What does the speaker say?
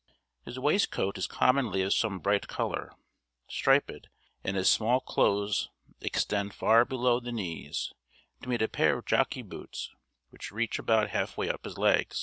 His waistcoat is commonly of some bright colour, striped; and his small clothes extend far below the knees, to meet a pair of jockey boots which reach about half way up his legs.